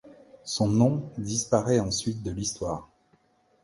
Son nom disparait ensuite de l'histoire.